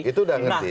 itu sudah ngerti